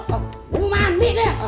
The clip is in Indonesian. mau mandi deh